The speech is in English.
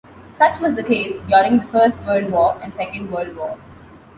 Such was the case during the First World War and Second World War.